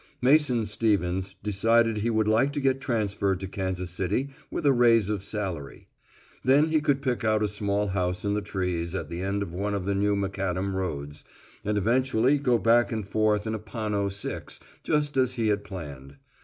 Mason Stevens decided he would like to get transferred to Kansas City, with a raise of salary. Then he could pick out a small house in the trees at the end of one of the new macadam roads, and eventually go back and forth in a Panno Six just as he had planned.